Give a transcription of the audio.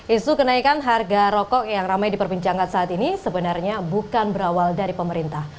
isu kenaikan harga rokok yang ramai diperbincangkan saat ini sebenarnya bukan berawal dari pemerintah